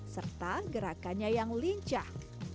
serta gerakannya yang lincah